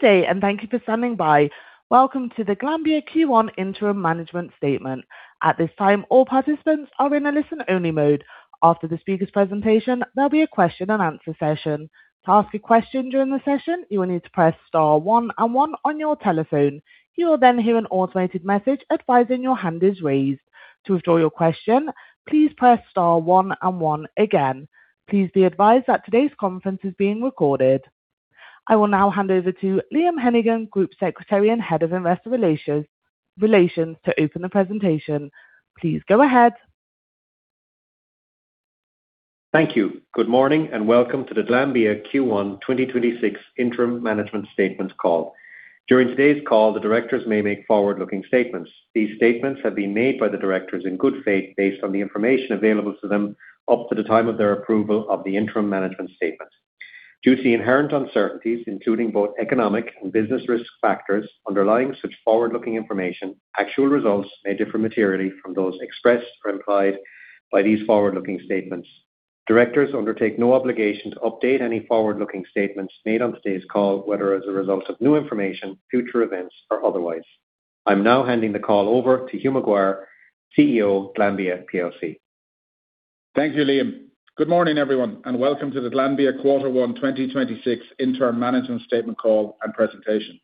Good day, and thank you for standing by. Welcome to the Glanbia Q1 Interim Management Statement. At this time, all participants are in a listen-only mode. After the speaker's presentation, there'll be a question and answer session. Please be advised that today's conference is being recorded. I will now hand over to Liam Hennigan, Group Secretary and Head of Investor Relations to open the presentation. Please go ahead. Thank you. Good morning, and welcome to the Glanbia Q1 2026 Interim Management Statement Call. During today's call, the directors may make forward-looking statements. These statements have been made by the directors in good faith based on the information available to them up to the time of their approval of the interim management statement. Due to the inherent uncertainties, including both economic and business risk factors underlying such forward-looking information, actual results may differ materially from those expressed or implied by these forward-looking statements. Directors undertake no obligation to update any forward-looking statements made on today's call, whether as a result of new information, future events, or otherwise. I am now handing the call over to Hugh McGuire, CEO, Glanbia plc. Thank you, Liam. Good morning, everyone, and welcome to the Glanbia Quarter One 2026 Interim Management Statement call and presentation.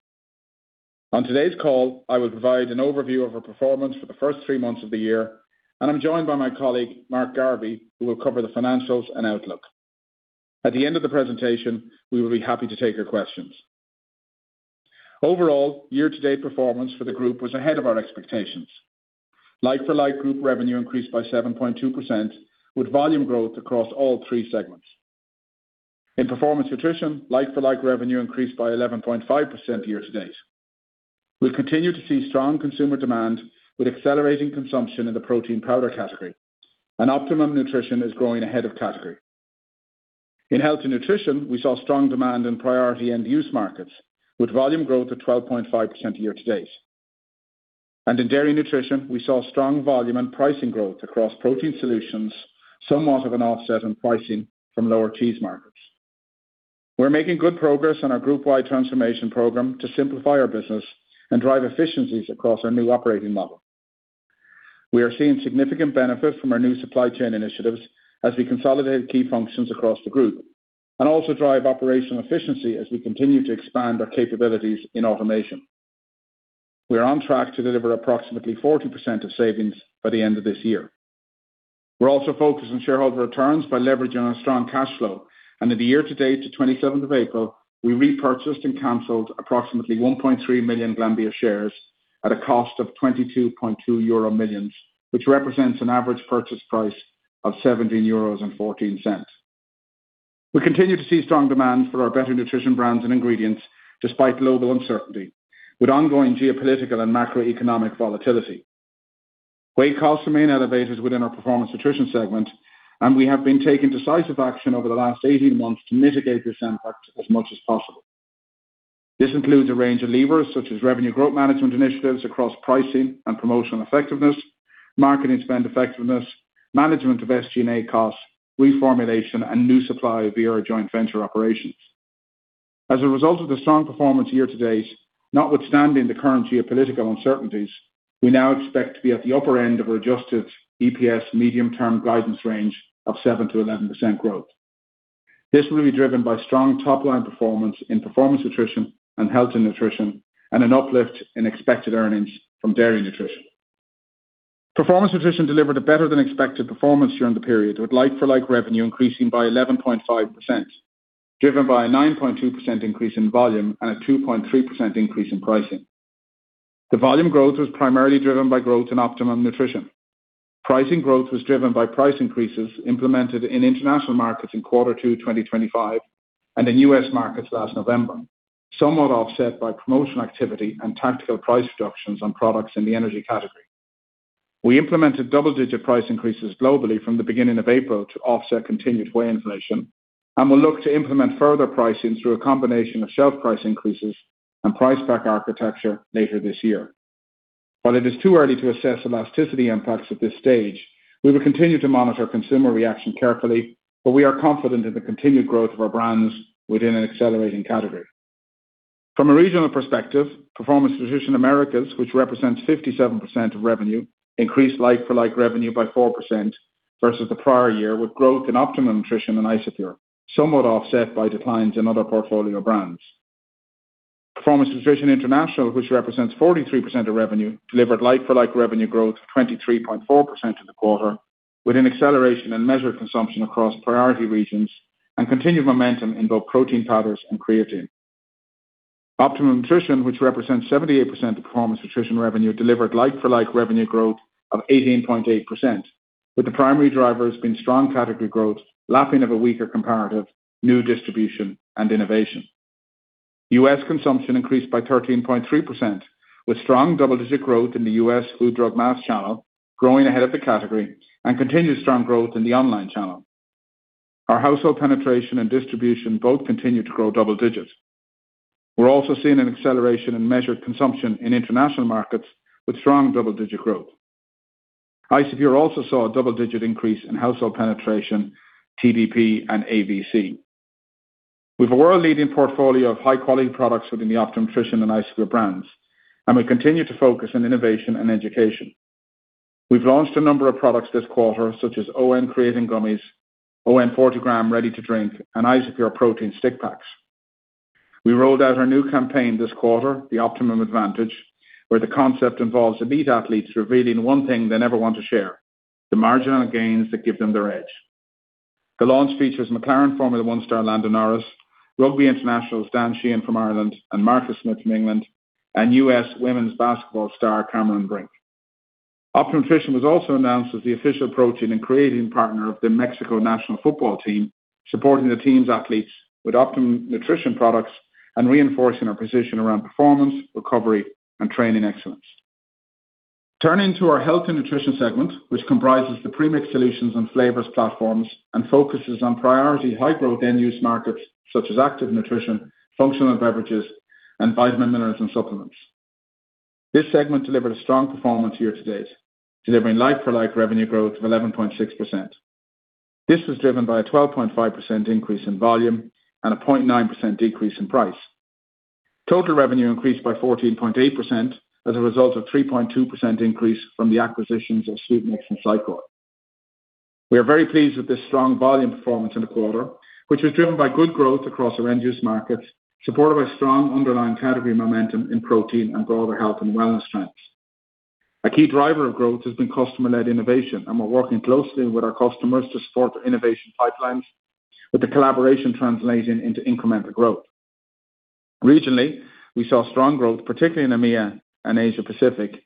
On today's call, I will provide an overview of our performance for the first three months of the year, and I'm joined by my colleague, Mark Garvey, who will cover the financials and outlook. At the end of the presentation, we will be happy to take your questions. Overall, year-to-date performance for the group was ahead of our expectations. Like-for-like group revenue increased by 7.2%, with volume growth across all three segments. In performance nutrition, like-for-like revenue increased by 11.5% year to date. We'll continue to see strong consumer demand with accelerating consumption in the protein powder category, and Optimum Nutrition is growing ahead of category. In Health & Nutrition, we saw strong demand in priority end-use markets, with volume growth of 12.5% year to date. In Dairy Nutrition, we saw strong volume and pricing growth across Protein Solutions, somewhat of an offset in pricing from lower cheese markets. We're making good progress on our groupwide transformation program to simplify our business and drive efficiencies across our new operating model. We are seeing significant benefit from our new supply chain initiatives as we consolidate key functions across the group and also drive operational efficiency as we continue to expand our capabilities in automation. We are on track to deliver approximately 40% of savings by the end of this year. We're also focused on shareholder returns by leveraging our strong cash flow. In the year to date, to 27th of April, we repurchased and canceled approximately 1.3 million Glanbia shares at a cost of 22.2 million euro, which represents an average purchase price of 17.14 euros. We continue to see strong demand for our better nutrition brands and ingredients despite global uncertainty, with ongoing geopolitical and macroeconomic volatility. Whey costs remain elevated within our Performance Nutrition segment, and we have been taking decisive action over the last 18 months to mitigate this impact as much as possible. This includes a range of levers such as revenue growth management initiatives across pricing and promotional effectiveness, marketing spend effectiveness, management of SG&A costs, reformulation, and new supply via our joint venture operations. As a result of the strong performance year to date, notwithstanding the current geopolitical uncertainties, we now expect to be at the upper end of our adjusted EPS medium-term guidance range of 7%-11% growth. This will be driven by strong top-line performance in Performance Nutrition and Health & Nutrition, and an uplift in expected earnings from Dairy Nutrition. Performance Nutrition delivered a better-than-expected performance during the period, with like-for-like revenue increasing by 11.5%, driven by a 9.2% increase in volume and a 2.3% increase in pricing. The volume growth was primarily driven by growth in Optimum Nutrition. Pricing growth was driven by price increases implemented in international markets in quarter two 2025 and in U.S. markets last November, somewhat offset by promotional activity and tactical price reductions on products in the energy category. We implemented double-digit price increases globally from the beginning of April to offset continued whey inflation and will look to implement further pricing through a combination of shelf price increases and price pack architecture later this year. While it is too early to assess elasticity impacts at this stage, we will continue to monitor consumer reaction carefully, but we are confident in the continued growth of our brands within an accelerating category. From a regional perspective, Performance Nutrition Americas, which represents 57% of revenue, increased like-for-like revenue by 4% versus the prior year, with growth in Optimum Nutrition and Isopure, somewhat offset by declines in other portfolio brands. Performance Nutrition International, which represents 43% of revenue, delivered like-for-like revenue growth of 23.4% in the quarter, with an acceleration in measured consumption across priority regions and continued momentum in both Protein Powders and Creatine. Optimum Nutrition, which represents 78% of performance nutrition revenue, delivered like-for-like revenue growth of 18.8%, with the primary drivers being strong category growth, lapping of a weaker comparative, new distribution, and innovation. U.S. consumption increased by 13.3%, with strong double-digit growth in the U.S. food, drug, mass channel growing ahead of the category and continued strong growth in the online channel. Our household penetration and distribution both continue to grow double digits. We are also seeing an acceleration in measured consumption in international markets with strong double-digit growth. Isopure also saw a double-digit increase in household penetration, TDP, and ACV. We have a world-leading portfolio of high-quality products within the Optimum Nutrition and Isopure brands, and we continue to focus on innovation and education. We've launched a number of products this quarter, such as ON Creatine Gummies, ON 40g Ready to Drink, and Isopure Protein Stick Packs. We rolled out our new campaign this quarter, The Optimum Advantage, where the concept involves elite athletes revealing one thing they never want to share, the marginal gains that give them their edge. The launch features McLaren Formula One star Lando Norris, Rugby International Dan Sheehan from Ireland, and Marcus Smith from England, and U.S. women's basketball star Cameron Brink. Optimum Nutrition was also announced as the official protein and creatine partner of the Mexico National Football Team, supporting the team's athletes with Optimum Nutrition products and reinforcing our position around performance, recovery, and training excellence. Turning to our Health & Nutrition segment, which comprises the premix solutions and flavors platforms and focuses on priority high-growth end-use markets, such as Active Nutrition, Functional Beverages, and Vitamins, Minerals and Supplements. This segment delivered a strong performance year-to-date, delivering like-for-like revenue growth of 11.6%. This was driven by a 12.5% increase in volume and a 0.9% decrease in price. Total revenue increased by 14.8% as a result of 3.2% increase from the acquisitions of Sweetmix and Scicore. We are very pleased with this strong volume performance in the quarter, which was driven by good growth across our end-use markets, supported by strong underlying category momentum in protein and broader health and wellness trends. A key driver of growth has been customer-led innovation, and we're working closely with our customers to support their innovation pipelines with the collaboration translating into incremental growth. Regionally, we saw strong growth, particularly in EMEA and Asia Pacific.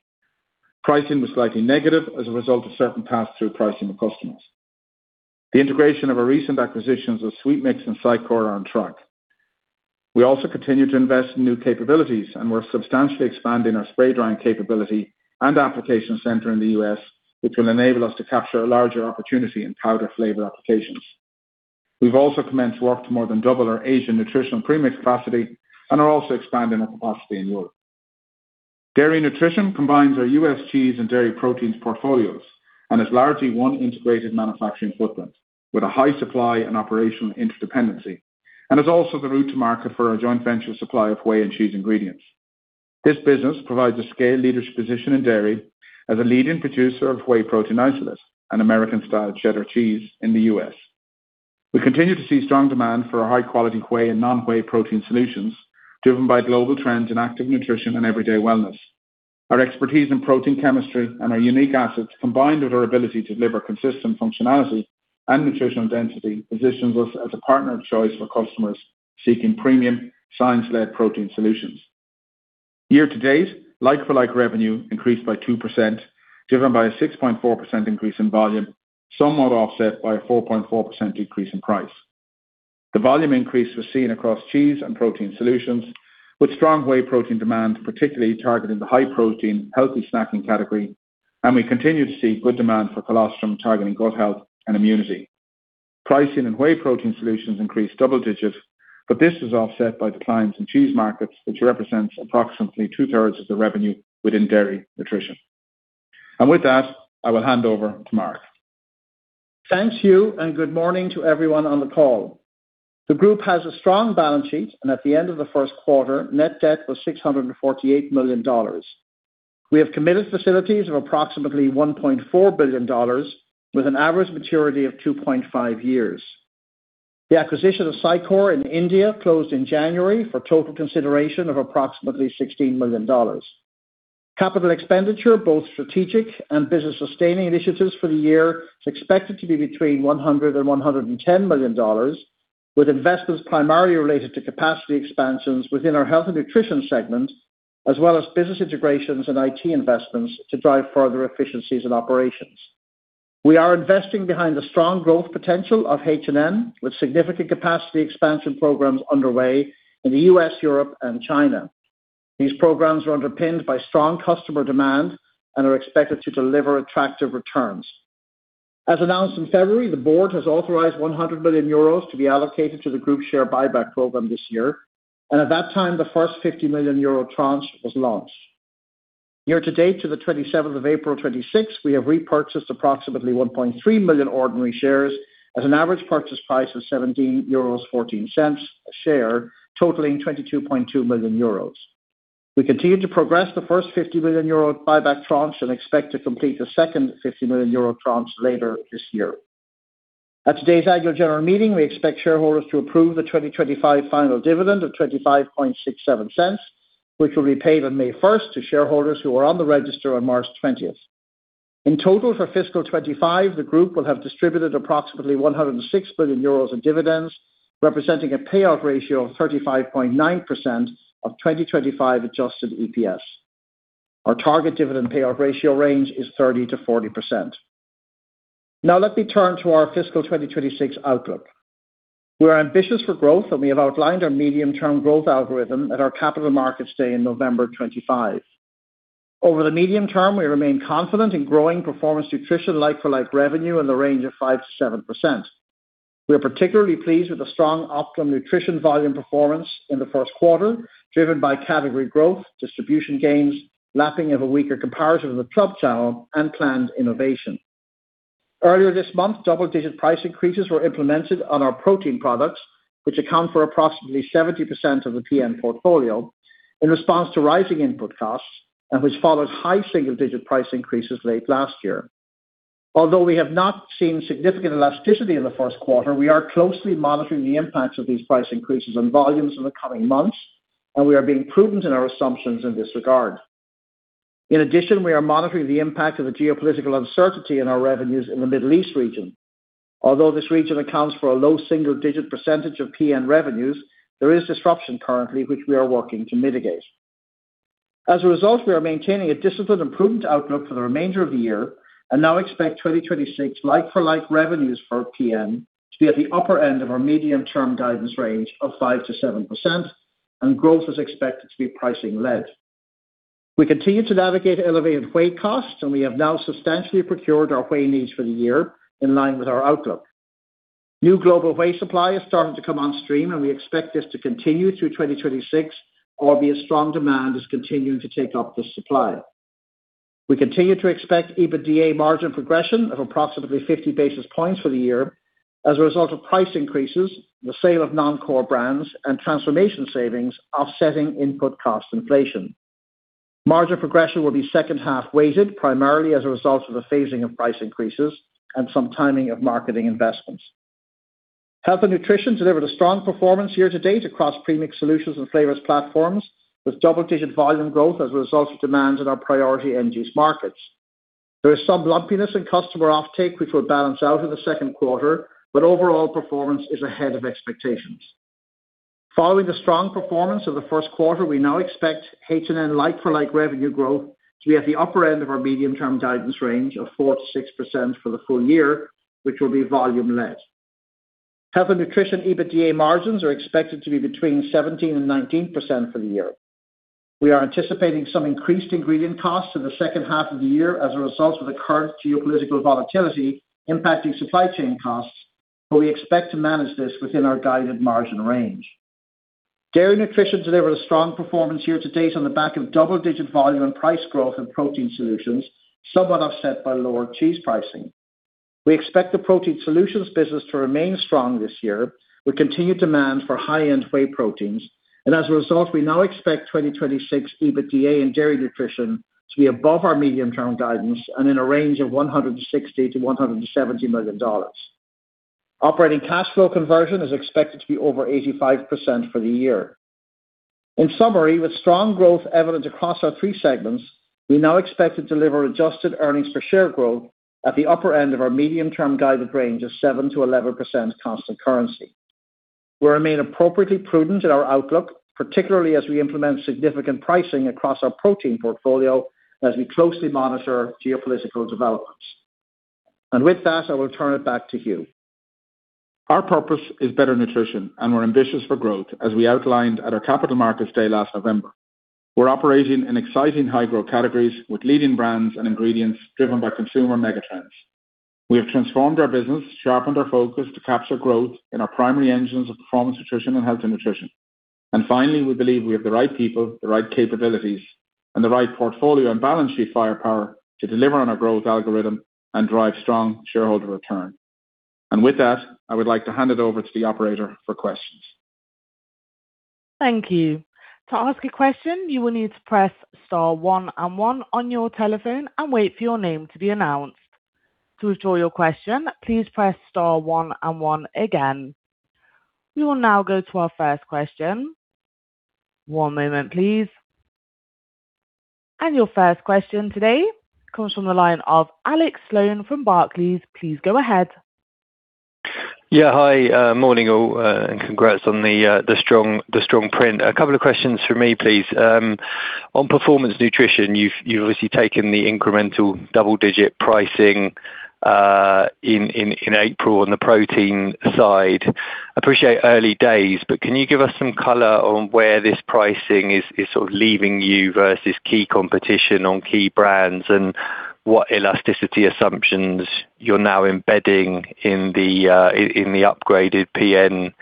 Pricing was slightly negative as a result of certain pass-through pricing of customers. The integration of our recent acquisitions of Sweetmix and Scicore are on track. We also continue to invest in new capabilities, and we're substantially expanding our spray drying capability and application center in the U.S., which will enable us to capture a larger opportunity in powder flavor applications. We've also commenced work to more than double our Asian nutritional premix capacity and are also expanding our capacity in Europe. Dairy Nutrition combines our U.S. Cheese and Dairy Proteins portfolios and is largely one integrated manufacturing footprint with a high supply and operational interdependency and is also the route to market for our joint venture supply of whey and cheese ingredients. This business provides a scale leadership position in dairy as a leading producer of whey protein isolate and American-style cheddar cheese in the U.S. We continue to see strong demand for our high-quality whey and non-whey protein solutions, driven by global trends in Active Nutrition and Everyday Wellness. Our expertise in protein chemistry and our unique assets, combined with our ability to deliver consistent functionality and nutritional density, positions us as a partner of choice for customers seeking premium science-led protein solutions. Year to date, like-for-like revenue increased by 2%, driven by a 6.4% increase in volume, somewhat offset by a 4.4% decrease in price. The volume increase was seen across cheese and Protein Solutions, with strong whey protein demand, particularly targeting the high-protein healthy snacking category, and we continue to see good demand for colostrum targeting gut health and immunity. Pricing in whey Protein Solutions increased double digits, but this was offset by declines in cheese markets, which represents approximately 2/3 of the revenue within Dairy Nutrition. With that, I will hand over to Mark. Thank you, and good morning to everyone on the call. The group has a strong balance sheet, and at the end of the first quarter, net debt was $648 million. We have committed facilities of approximately $1.4 billion with an average maturity of 2.5 years. The acquisition of Scicore in India closed in January for total consideration of approximately $16 million. Capital expenditure, both strategic and business-sustaining initiatives for the year, is expected to be between $100 million-$110 million, with investments primarily related to capacity expansions within our Health & Nutrition segments, as well as business integrations and IT investments to drive further efficiencies in operations. We are investing behind the strong growth potential of H&N, with significant capacity expansion programs underway in the U.S., Europe, and China. These programs are underpinned by strong customer demand and are expected to deliver attractive returns. As announced in February, the board has authorized 100 million euros to be allocated to the group share buyback program this year. At that time, the first 50 million euro tranche was launched. Year to date to the 27th of April 2026, we have repurchased approximately 1.3 million ordinary shares at an average purchase price of 17.14 euros a share, totaling 22.2 million euros. We continue to progress the first 50 million euro buyback tranche and expect to complete the second 50 million euro tranche later this year. At today's Annual General Meeting, we expect shareholders to approve the 2025 final dividend of 0.2567, which will be paid on May 1st to shareholders who are on the register on March 20th. In total for fiscal 2025, the group will have distributed approximately 106 million euros in dividends, representing a payout ratio of 35.9% of 2025 adjusted EPS. Our target dividend payout ratio range is 30%-40%. Now let me turn to our fiscal 2026 outlook. We are ambitious for growth, and we have outlined our medium-term growth algorithm at our Capital Markets Day in November 2025. Over the medium term, we remain confident in growing Performance Nutrition like-for-like revenue in the range of 5%-7%. We are particularly pleased with the strong Optimum Nutrition volume performance in the first quarter, driven by category growth, distribution gains, lapping of a weaker comparison of the club channel and planned innovation. Earlier this month, double-digit price increases were implemented on our protein products, which account for approximately 70% of the PN portfolio in response to rising input costs and which followed high single-digit price increases late last year. Although we have not seen significant elasticity in the first quarter, we are closely monitoring the impacts of these price increases on volumes in the coming months, and we are being prudent in our assumptions in this regard. In addition, we are monitoring the impact of the geopolitical uncertainty in our revenues in the Middle East region. Although this region accounts for a low single-digit percentage of PN revenues, there is disruption currently which we are working to mitigate. As a result, we are maintaining a disciplined and prudent outlook for the remainder of the year and now expect 2026 like-for-like revenues for PN to be at the upper end of our medium-term guidance range of 5%-7%, and growth is expected to be pricing-led. We continue to navigate elevated whey costs, and we have now substantially procured our whey needs for the year in line with our outlook. New global whey supply has started to come on stream, and we expect this to continue through 2026, albeit strong demand is continuing to take up the supply. We continue to expect EBITDA margin progression of approximately 50 basis points for the year as a result of price increases, the sale of non-core brands and transformation savings offsetting input cost inflation. Margin progression will be second half weighted, primarily as a result of the phasing of price increases and some timing of marketing investments. Health & Nutrition delivered a strong performance here to date across premix solutions and flavors platforms, with double-digit volume growth as a result of demands in our priority end use markets. There is some lumpiness in customer offtake which will balance out in the second quarter, but overall performance is ahead of expectations. Following the strong performance of the first quarter, we now expect H&N like-for-like revenue growth to be at the upper end of our medium-term guidance range of 4%-6% for the full year, which will be volume-led. Health & Nutrition EBITDA margins are expected to be between 17%-19% for the year. We are anticipating some increased ingredient costs in the second half of the year as a result of the current geopolitical volatility impacting supply chain costs, but we expect to manage this within our guided margin range. Dairy Nutrition delivered a strong performance year to date on the back of double-digit volume and price growth in Protein Solutions, somewhat offset by lower cheese pricing. We expect the Protein Solutions business to remain strong this year with continued demand for high-end whey proteins, and as a result, we now expect 2026 EBITDA in Dairy Nutrition to be above our medium-term guidance and in a range of EUR 160 million-EUR 170 million. Operating cash flow conversion is expected to be over 85% for the year. In summary, with strong growth evident across our three segments, we now expect to deliver adjusted earnings per share growth at the upper end of our medium-term guided range of 7%-11% constant currency. We remain appropriately prudent in our outlook, particularly as we implement significant pricing across our protein portfolio as we closely monitor geopolitical developments. With that, I will turn it back to Hugh. Our purpose is better nutrition, and we're ambitious for growth, as we outlined at our Capital Markets Day last November. We're operating in exciting high-growth categories with leading brands and ingredients driven by consumer mega trends. We have transformed our business, sharpened our focus to capture growth in our primary engines of performance, nutrition and Health & Nutrition. Finally, we believe we have the right people, the right capabilities, and the right portfolio and balance sheet firepower to deliver on our growth algorithm and drive strong shareholder return. With that, I would like to hand it over to the operator for questions. Thank you. We will now go to our first question. One moment, please. Your first question today comes from the line of Alex Sloane from Barclays. Please go ahead. Hi, morning all, and congrats on the strong print. A couple of questions from me, please. On Performance Nutrition, you've obviously taken the incremental double-digit pricing in April on the protein side. Appreciate early days, can you give us some color on where this pricing is sort of leaving you versus key competition on key brands and what elasticity assumptions you're now embedding in the upgraded PN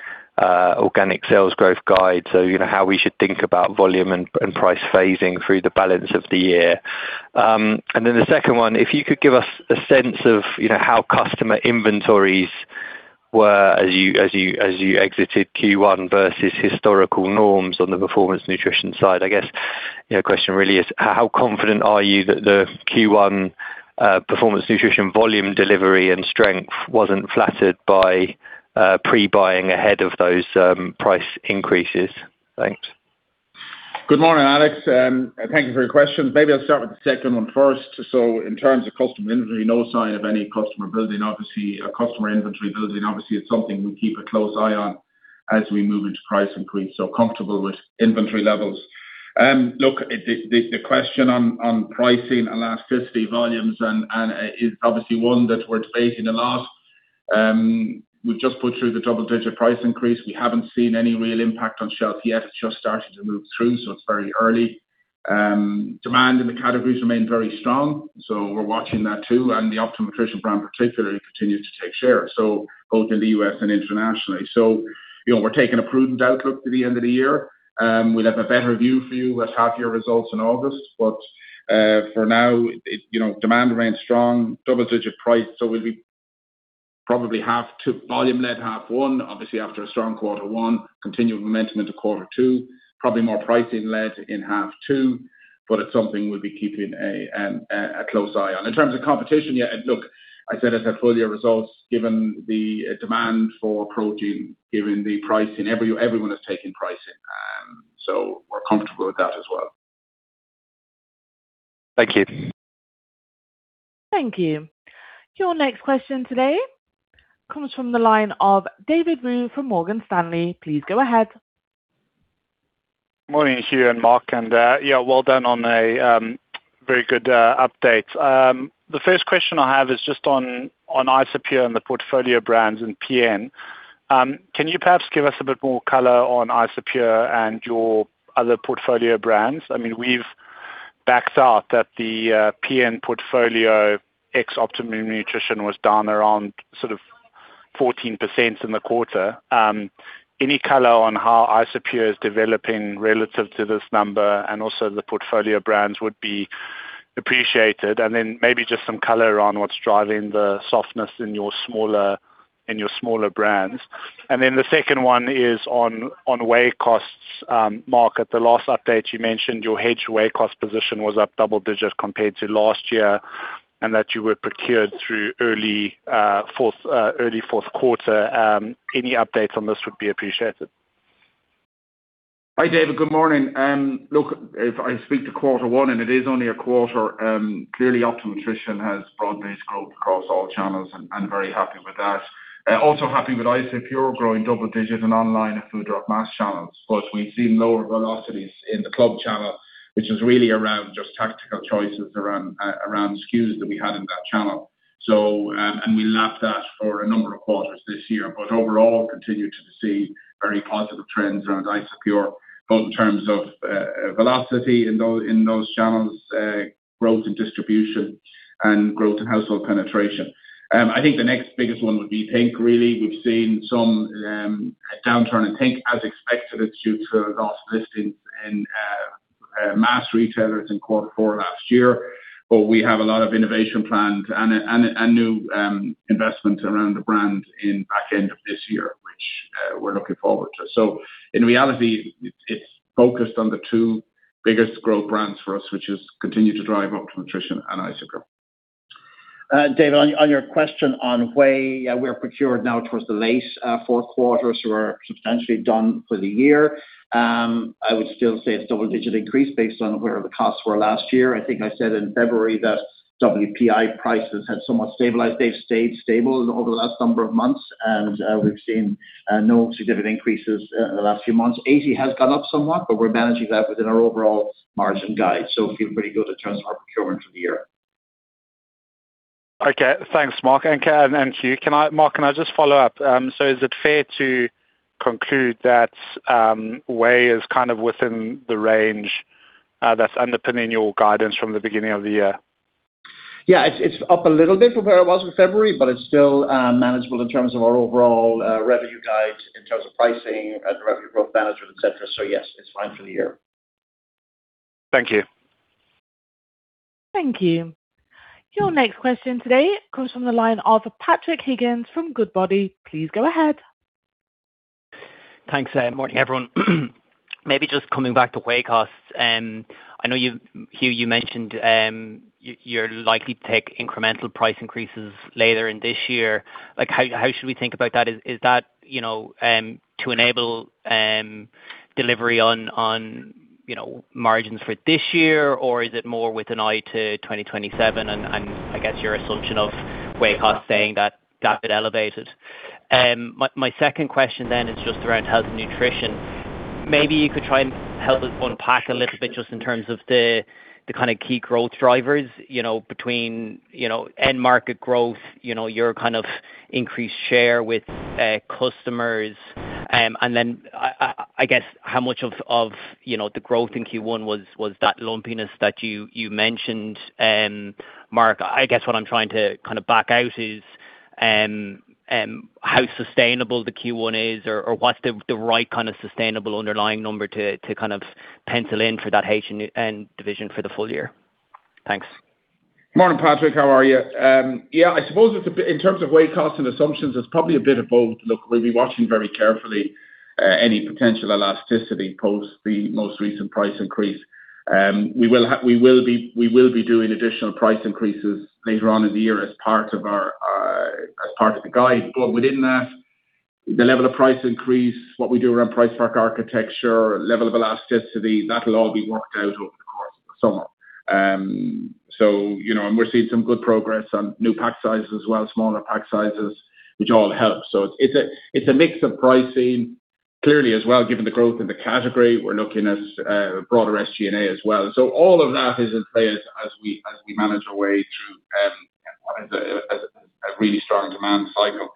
organic sales growth guide? You know, how we should think about volume and price phasing through the balance of the year. The second one, if you could give us a sense of, you know, how customer inventories were as you exited Q1 versus historical norms on the Performance Nutrition side. I guess, you know, question really is how confident are you that the Q1 Performance Nutrition volume delivery and strength wasn't flattered by pre-buying ahead of those price increases? Thanks. Good morning, Alex Sloane, thank you for your questions. Maybe I'll start with the second one first. In terms of customer inventory, no sign of any customer building. Obviously, a customer inventory building, it's something we keep a close eye on as we move into price increase, comfortable with inventory levels. Look, the question on pricing, elasticity, volumes and is obviously one that we're facing a lot. We've just put through the double-digit price increase. We haven't seen any real impact on shelf yet. It's just starting to move through, it's very early. Demand in the categories remain very strong, so we're watching that too, and the Optimum Nutrition brand particularly continues to take share, so both in the U.S. and internationally. You know, we're taking a prudent outlook to the end of the year. We'll have a better view for you with half year results in August, but for now, it, you know, demand remains strong, double-digit price. We'll be probably have to volume led half one, obviously after a strong quarter one, continued momentum into quarter two, probably more pricing led in half two, but it's something we'll be keeping a close eye on. In terms of competition, yeah, look, I said at the full year results, given the demand for protein, given the pricing, everyone is taking pricing. We're comfortable with that as well. Thank you. Thank you. Your next question today comes from the line of David Roux from Morgan Stanley. Please go ahead. Morning, Hugh and Mark, well done on a very good update. The first question I have is just on Isopure and the portfolio brands in PN. Can you perhaps give us a bit more color on Isopure and your other portfolio brands? I mean, we've backed out that the PN portfolio ex Optimum Nutrition was down around sort of 14% in the quarter. Any color on how Isopure is developing relative to this number, and also the portfolio brands would be appreciated. Maybe just some color around what's driving the softness in your smaller brands. The second one is on whey costs. Mark, at the last update you mentioned your hedge whey cost position was up double digits compared to last year, and that you were procured through early, fourth, early fourth quarter. Any updates on this would be appreciated. Hi, David. Good morning. Look, if I speak to quarter one, and it is only a quarter, clearly Optimum Nutrition has broad-based growth across all channels and very happy with that. Also happy with Isopure growing double digits in online and foodservice channels. We've seen lower velocities in the Club channel, which is really around just tactical choices around SKUs that we had in that channel. We lapped that for a number of quarters this year, overall continued to see very positive trends around Isopure, both in terms of velocity in those channels, growth in distribution and growth in household penetration. I think the next biggest one would be think! really. We've seen some downturn in think! as expected. It's due to a lost listing in mass retailers in quarter four last year. We have a lot of innovation planned and new investment around the brand in back end of this year, which we're looking forward to. In reality, it's focused on the two biggest growth brands for us, which is continue to drive Optimum Nutrition and Isopure. David, on your question on whey, we're procured now towards the late four quarters. We're substantially done for the year. I would still say it's double-digit increase based on where the costs were last year. I think I said in February that WPI prices had somewhat stabilized. They've stayed stable over the last number of months and we've seen no significant increases in the last few months. 80 has gone up somewhat, but we're managing that within our overall margin guide, so feel pretty good in terms of our procurement for the year. Okay, thanks Mark and Hugh. Mark, can I just follow up? Is it fair to conclude that whey is kind of within the range that's underpinning your guidance from the beginning of the year? Yeah. It's up a little bit from where it was in February, but it's still manageable in terms of our overall revenue guide, in terms of pricing and revenue growth management, et cetera. Yes, it's fine for the year. Thank you. Thank you. Your next question today comes from the line of Patrick Higgins from Goodbody. Please go ahead. Thanks. Morning, everyone. Maybe just coming back to whey costs. I know you, Hugh, you mentioned you're likely to take incremental price increases later in this year. Like, how should we think about that? Is that, you know, to enable delivery on, you know, margins for this year, or is it more with an eye to 2027 and I guess your assumption of whey costs staying that bit elevated? My second question then is just around Health & Nutrition. Maybe you could try and help us unpack a little bit just in terms of the kind of key growth drivers, you know, between, you know, end market growth, you know, your kind of increased share with customers. I guess how much of, you know, the growth in Q1 was that lumpiness that you mentioned, Mark? I guess what I'm trying to kind of back out is how sustainable the Q1 is or what's the right kind of sustainable underlying number to kind of pencil in for that H&N division for the full year. Thanks. Morning, Patrick. How are you? Yeah, I suppose in terms of whey cost and assumptions, it's probably a bit of both. Look, we'll be watching very carefully any potential elasticity post the most recent price increase. We will be doing additional price increases later on in the year as part of our as part of the guide. Within that, the level of price increase, what we do around price pack architecture, level of elasticity, that'll all be worked out over the course of the summer. You know, we're seeing some good progress on new pack sizes as well, smaller pack sizes, which all helps. It's, it's a, it's a mix of pricing clearly as well, given the growth in the category. We're looking at broader SG&A as well. All of that is in play as we, as we manage our way through. As a really strong demand cycle.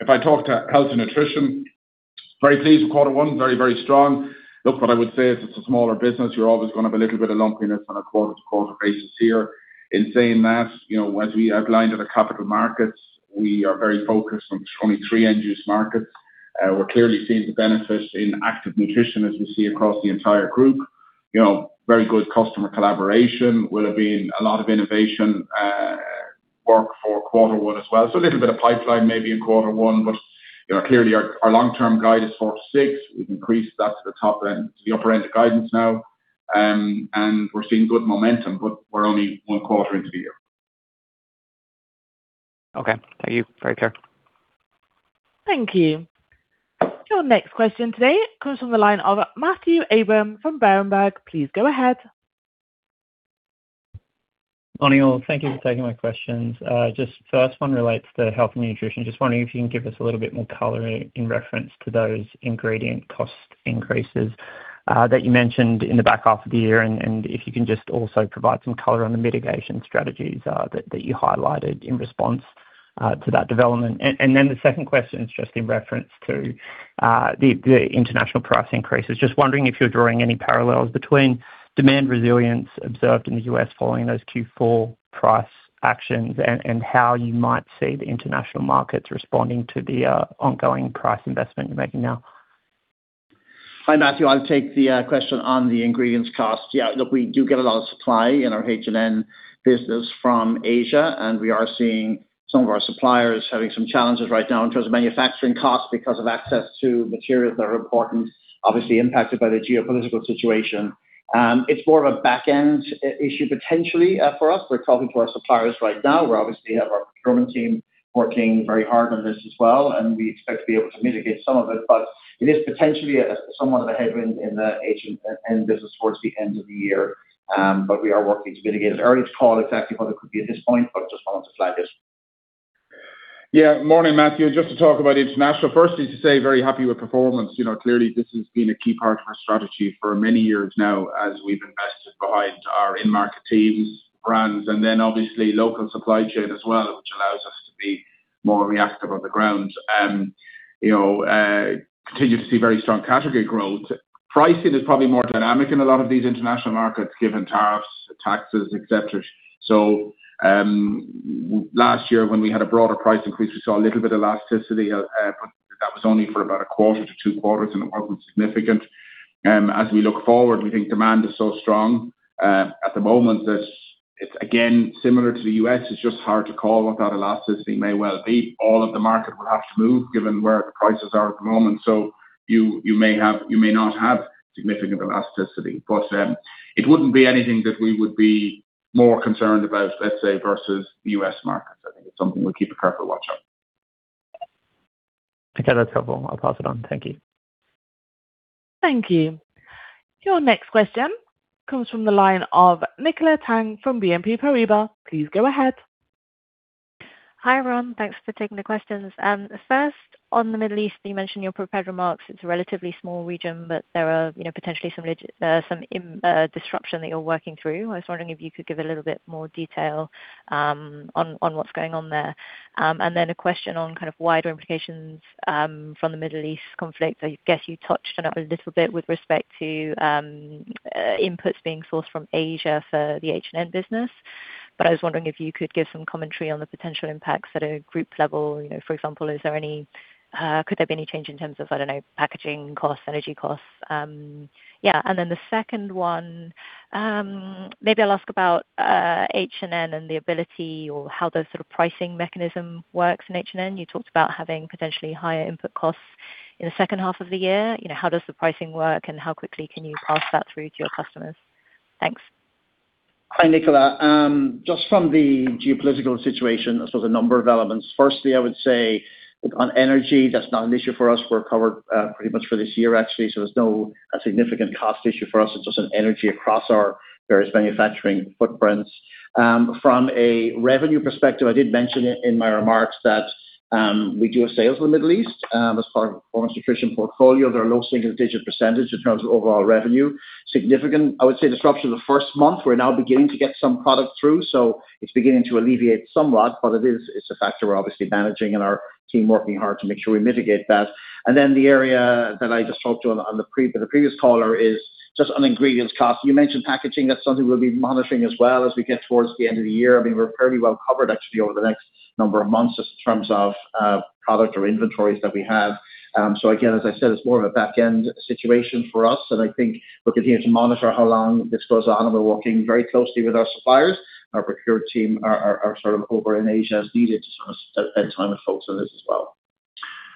If I talk to Health & Nutrition, very pleased with quarter one. Very strong. Look, what I would say is it's a smaller business. You're always gonna have a little bit of lumpiness on a quarter to quarter basis here. In saying that, you know, as we outlined at the Capital Markets, we are very focused on 23 end use markets. We're clearly seeing the benefits in Active Nutrition as we see across the entire group. You know, very good customer collaboration. Will have been a lot of innovation work for quarter one as well. A little bit of pipeline maybe in quarter one, but you know, clearly our long-term guide is 4-6. We've increased that to the upper end of guidance now. We're seeing good momentum, but we're only one quarter into the year. Okay. Thank you. Very clear. Thank you. Your next question today comes from the line of Matthew Abraham from Berenberg. Please go ahead. Morning all. Thank you for taking my questions. Just first one relates to Health & Nutrition. Just wondering if you can give us a little bit more color in reference to those ingredient cost increases that you mentioned in the back half of the year, and if you can just also provide some color on the mitigation strategies that you highlighted in response to that development. The second question is just in reference to the international price increases. Just wondering if you're drawing any parallels between demand resilience observed in the U.S. following those Q4 price actions and how you might see the international markets responding to the ongoing price investment you're making now. Hi, Matthew. I'll take the question on the ingredients cost. Yeah, look, we do get a lot of supply in our H&N business from Asia. We are seeing some of our suppliers having some challenges right now in terms of manufacturing costs because of access to materials that are important, obviously impacted by the geopolitical situation. It's more of a back end issue potentially for us. We're talking to our suppliers right now. We obviously have our procurement team working very hard on this as well. We expect to be able to mitigate some of it is potentially a somewhat of a headwind in the H&N business towards the end of the year. We are working to mitigate. Early to call exactly what it could be at this point, just wanted to flag it. Yeah. Morning, Matthew. Just to talk about international. Firstly, to say, very happy with performance. You know, clearly this has been a key part of our strategy for many years now as we've invested behind our in-market teams, brands, and then obviously local supply chain as well, which allows us to be more reactive on the ground. You know, continue to see very strong category growth. Pricing is probably more dynamic in a lot of these international markets, given tariffs, taxes, et cetera. Last year when we had a broader price increase, we saw a little bit elasticity, but that was only for about a quarter to two quarters, and it wasn't significant. As we look forward, we think demand is so strong at the moment that it's again, similar to the U.S., it's just hard to call what that elasticity may well be. All of the market will have to move given where the prices are at the moment. You may not have significant elasticity. It wouldn't be anything that we would be more concerned about, let's say, versus the U.S. markets. I think it's something we'll keep a careful watch on. Okay. That's helpful. I'll pass it on. Thank you. Thank you. Your next question comes from the line of Nicola Tang from BNP Paribas. Please go ahead. Hi, everyone. Thanks for taking the questions. First on the Middle East, you mentioned in your prepared remarks it's a relatively small region, but there are, you know, potentially some disruption that you're working through. I was wondering if you could give a little bit more detail on what's going on there. A question on kind of wider implications from the Middle East conflict. I guess you touched on it a little bit with respect to inputs being sourced from Asia for the H&N business. I was wondering if you could give some commentary on the potential impacts at a group level. You know, for example, is there any, could there be any change in terms of, I don't know, packaging costs, energy costs? The second one, maybe I'll ask about H&N and the ability or how the sort of pricing mechanism works in H&N. You talked about having potentially higher input costs in the second half of the year. You know, how does the pricing work and how quickly can you pass that through to your customers? Thanks. Hi, Nicola. Just from the geopolitical situation, I suppose a number of elements. I would say on energy, that's not an issue for us. We're covered, pretty much for this year actually, so there's no significant cost issue for us. It's just an energy across our various manufacturing footprints. From a revenue perspective, I did mention it in my remarks that we do have sales in the Middle East as part of Performance Nutrition portfolio. They're a low single-digit percentage in terms of overall revenue. Significant, I would say, disruption the first month. We're now beginning to get some product through, so it's beginning to alleviate somewhat, but it's a factor we're obviously managing and our team working hard to make sure we mitigate that. The area that I just talked to with the previous caller is just on ingredients cost. You mentioned packaging. That's something we'll be monitoring as well as we get towards the end of the year. I mean, we're fairly well covered actually over the next number of months just in terms of product or inventories that we have. Again, as I said, it's more of a back end situation for us, and I think we'll continue to monitor how long this goes on, and we're working very closely with our suppliers. Our procure team are sort of over in Asia as needed to sort of spend time with folks on this as well.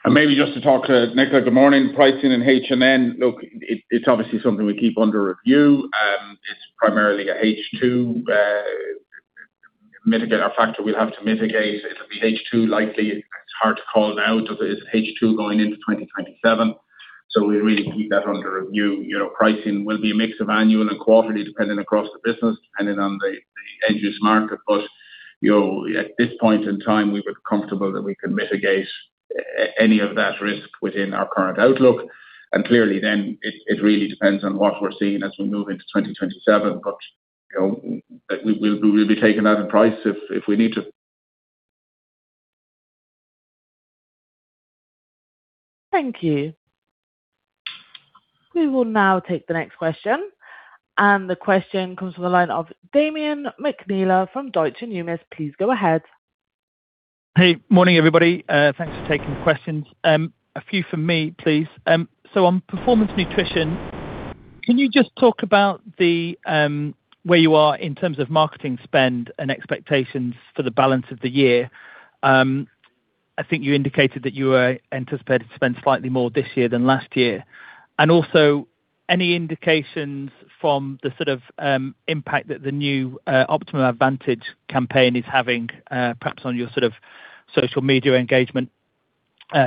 Maybe just to talk to Nicola. Good morning. Pricing in H&N. Look, it's obviously something we keep under review. It's primarily a H2 mitigate. A factor we'll have to mitigate. It'll be H2 likely. It's hard to call now. It'll be H2 going into 2027. We really keep that under review. You know, pricing will be a mix of annual and quarterly depending across the business, depending on the end use market. You know, at this point in time, we feel comfortable that we can mitigate any of that risk within our current outlook. Clearly then it really depends on what we're seeing as we move into 2027. You know, we will be taking that in price if we need to. Thank you. We will now take the next question, and the question comes from the line of Damian McNeela from Deutsche Numis. Please go ahead. Hey. Morning, everybody. Thanks for taking questions. A few from me, please. On Performance Nutrition, can you just talk about the where you are in terms of marketing spend and expectations for the balance of the year? I think you indicated that you were anticipated to spend slightly more this year than last year. Also, any indications from the sort of impact that the new Optimum Advantage campaign is having, perhaps on your sort of social media engagement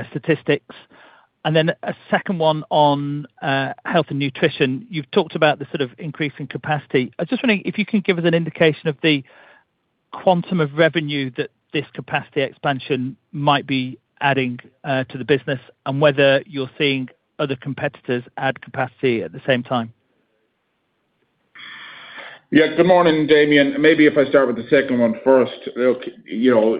statistics? Then a second one on Health & Nutrition. You've talked about the sort of increase in capacity. I was just wondering if you could give us an indication of the quantum of revenue that this capacity expansion might be adding to the business and whether you're seeing other competitors add capacity at the same time. Yeah. Good morning, Damian. Maybe if I start with the second one first. Look, you know,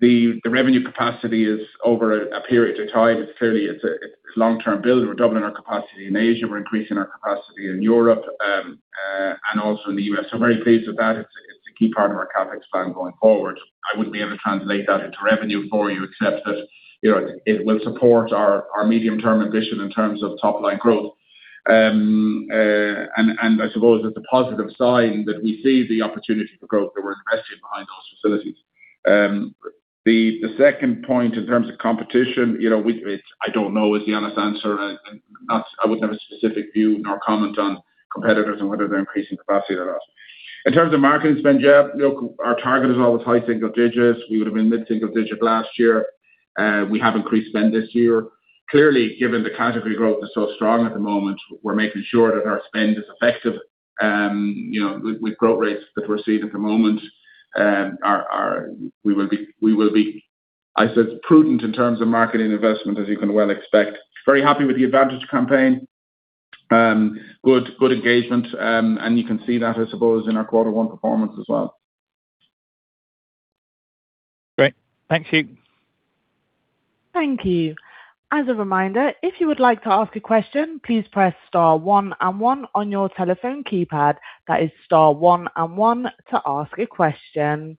the revenue capacity is over a period of time. It's clearly, it's a long-term build. We're doubling our capacity in Asia. We're increasing our capacity in Europe and also in the U.S. Very pleased with that. It's a key part of our CapEx plan going forward. I wouldn't be able to translate that into revenue for you except that, you know, it will support our medium-term ambition in terms of top-line growth. And I suppose it's a positive sign that we see the opportunity for growth that we're investing behind those facilities. The second point in terms of competition, you know, it's, I don't know is the honest answer. I wouldn't have a specific view nor comment on competitors and whether they're increasing capacity or not. In terms of marketing spend, yeah, look, our target is always high single digits. We would have been mid-single digit last year. We have increased spend this year. Clearly, given the category growth is so strong at the moment, we're making sure that our spend is effective. You know, with growth rates that we're seeing at the moment, our we will be, I say, prudent in terms of marketing investment, as you can well expect. Very happy with The Advantage campaign. Good engagement. You can see that, I suppose, in our quarter one performance as well. Great. Thank you. Thank you. As a reminder, if you would like to ask a question, please press star one and one on your telephone keypad. That is star one and one to ask a question.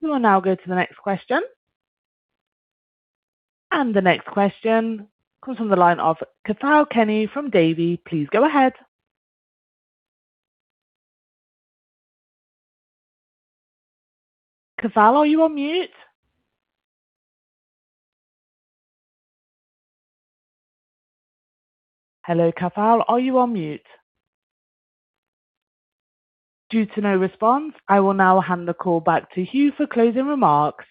We will now go to the next question. The next question comes from the line of Cathal Kenny from Davy. Please go ahead. Cathal, are you on mute? Hello, Cathal. Are you on mute? Due to no response, I will now hand the call back to Hugh for closing remarks.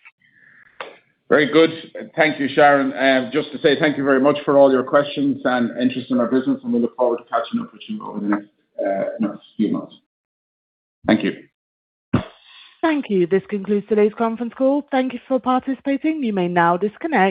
Very good. Thank you, Sharon. Just to say thank you very much for all your questions and interest in our business. We look forward to catching up with you over the next few months. Thank you. Thank you. This concludes today's conference call. Thank you for participating. You may now disconnect.